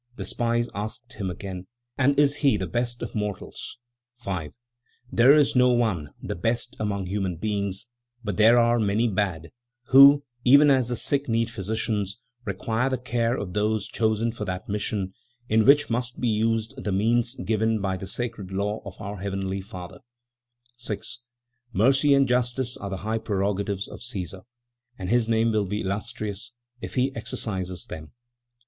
the spies asked him again; "and is he the best of mortals?" 5. "There is no one 'the best' among human beings; but there are many bad, who even as the sick need physicians require the care of those chosen for that mission, in which must be used the means given by the sacred law of our Heavenly Father; 6. "Mercy and justice are the high prerogatives of Cæsar, and his name will be illustrious if he exercises them.